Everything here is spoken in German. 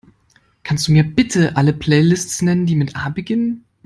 Kannst Du mir bitte alle Playlists nennen, die mit A beginnen?